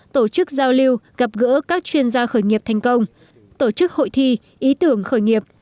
tàu lưu gặp gỡ các chuyên gia khởi nghiệp thành công tổ chức hội thi ý tưởng khởi nghiệp